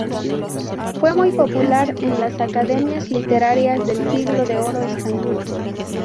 Fue muy popular en las Academias literarias del Siglo de Oro español.